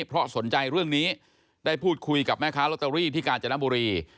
เพราะสนใจเรื่องนี้ได้พูดคุยกับแม่ค้าลอตเตอรี่ที่กาญจนบุรี